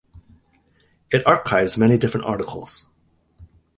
It archives many different articles.